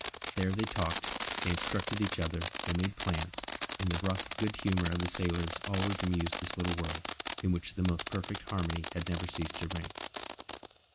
There they talked, they instructed each other, they made plans, and the rough good humour of the sailor always amused this little world, in which the most perfect harmony had never ceased to reign.